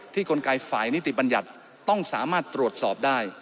กลไกฝ่ายนิติบัญญัติต้องสามารถตรวจสอบได้